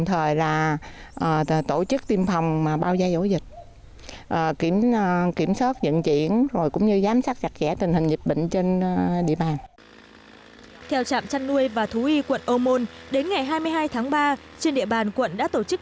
theo trạm chăn nuôi và thú y quận ô môn đến ngày hai mươi hai tháng ba trên địa bàn quận đã tổ chức